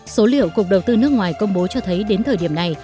số liệu cục đầu tư nước ngoài công bố cho thấy đến thời điểm này